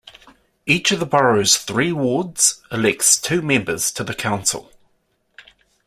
Each of the borough's three wards elects two members to the council.